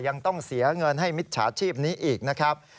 ยังต้องเสียเงินให้มิจฉาชีพนี้อีกนะครับ